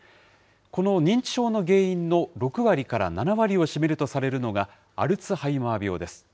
この認知症の原因の６割から７割を占めるとされるのが、アルツハイマー病です。